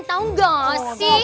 tau gak sih